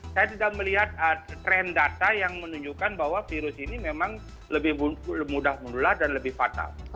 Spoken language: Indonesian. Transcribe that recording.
strain data yang menunjukkan bahwa virus ini memang lebih mudah menular dan lebih fatal